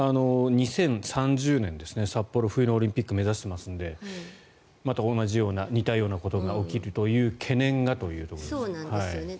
２０３０年、札幌冬のオリンピックを目指していますのでまた同じような似たようなことが起きる懸念がということですね。